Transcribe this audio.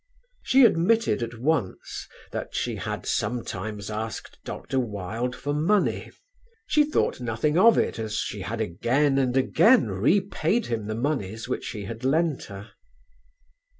She admitted at once that she had sometimes asked Dr. Wilde for money: she thought nothing of it as she had again and again repaid him the monies which he had lent her.